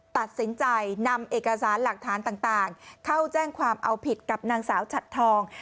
ตัดสินใจนำเอกสารหลักฐานต่างเข้าแจ้งความเอาผิดกับนางสาวฉัดทอง